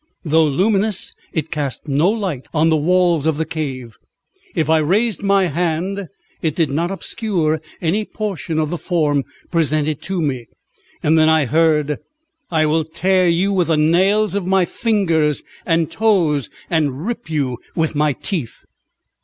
Though luminous, it cast no light on the walls of the cave; if I raised my hand it did not obscure any portion of the form presented to me. Then I heard: "I will tear you with the nails of my fingers and toes, and rip you with my teeth."